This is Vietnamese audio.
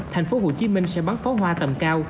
tp hcm sẽ bắn pháo hoa tầm cao